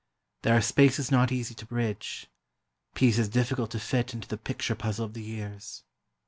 There are spaces not easy to bridge, pieces difficult to fit into the picture puzzle of the years.